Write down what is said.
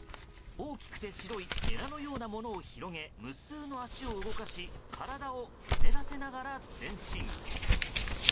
大きくて白いエラのようなものを広げ無数の足を動かし体をうねらせながら前進。